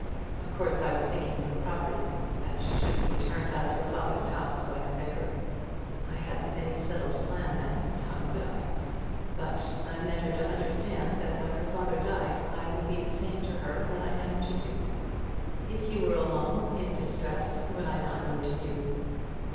Of course I was thinking of the property, that she shouldn't be turned out of her father's house like a beggar. I hadn't any settled plan then; how could I? But I meant her to understand that when her father died I would be the same to her that I am to you. If you were alone, in distress, would I not go to you?"